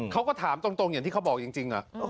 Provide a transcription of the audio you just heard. เขาก็ถามตรงอย่างที่เขาบอกจริง